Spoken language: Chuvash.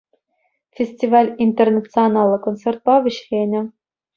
Фестиваль интернационаллӑ концертпа вӗҫленӗ.